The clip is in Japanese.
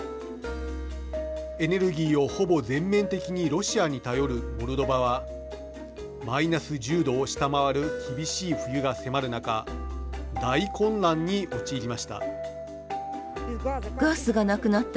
エネルギーをほぼ全面的にロシアに頼るモルドバはマイナス１０度を下回る厳しい冬が迫る中大混乱に陥りました。